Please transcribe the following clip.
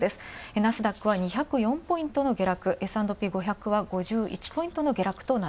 ナスダックは２０４ポイントの下落、Ｓ＆Ｐ５００は５１ポイントの下落。